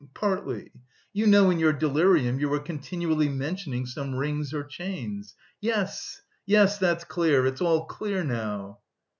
partly... you know in your delirium you were continually mentioning some rings or chains! Yes, yes... that's clear, it's all clear now."